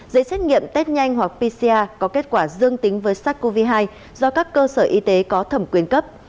giấy xét nghiệm test nhanh hoặc pcr có kết quả dương tính với sars cov hai do các cơ sở y tế có thẩm quyền cấp